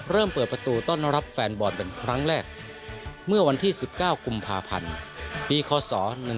เริ่มเปิดประตูต้อนรับแฟนบอลเป็นครั้งแรกเมื่อวันที่๑๙กุมภาพันธ์ปีคศ๑๔